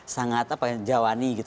sangat apa ya jawani gitu